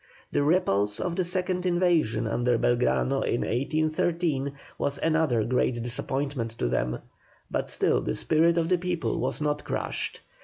The repulse of the second invasion under Belgrano in 1813 was another great disappointment to them, but still the spirit of the people was not crushed.